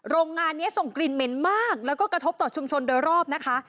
โรงงานนี้ส่งกลิ่นเหม็นมากแล้วก็กระทบต่อชุมชนโดยรอบนะคะ